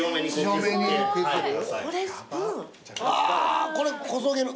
うわこれこそげる。